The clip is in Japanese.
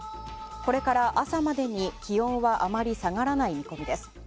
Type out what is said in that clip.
これから朝までに気温はあまり下がらない見込みです。